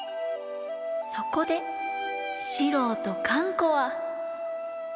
そこで四郎とかん子は。